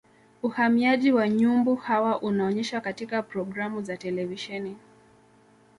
uhamiaji wa nyumbu hawa unaonyeshwa katika programu za televisheni